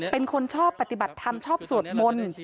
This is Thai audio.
เป็นคนชอบปฏิบัติธรรมชอบสวดมนต์